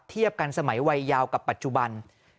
เทียบกันสมัยวัยยาวกับปัจจุบัน